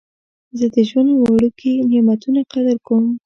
زه د ژوند وړوکي نعمتونه قدر کوم.